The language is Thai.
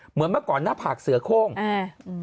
เหมือนเมื่อก่อนหน้าผากเสือโค้งอ่าอืม